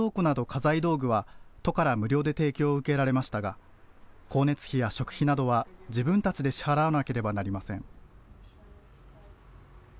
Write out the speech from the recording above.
家財道具は都から無料で提供を受けられましたが光熱費や食費などは自分たちで支払わなければなりません。